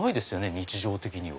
日常的には。